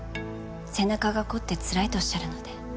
背中が凝ってつらいとおっしゃるので。